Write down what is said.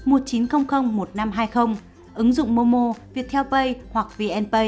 một chín không không một năm hai không ứng dụng momo viettelpay hoặc vnpay